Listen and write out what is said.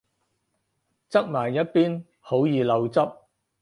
側埋一邊好易漏汁